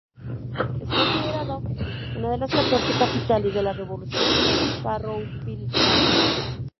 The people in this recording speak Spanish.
Es considerado una de las catorce capitales de la Revolución Farroupilha.